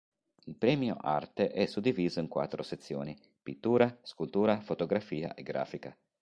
Il Premio Arte è suddiviso in quattro sezioni: pittura, scultura, fotografia e grafica.